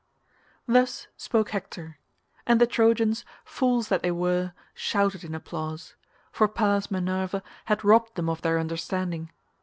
Thus spoke Hector; and the Trojans, fools that they were, shouted in applause, for Pallas Minerva had robbed them of their understanding.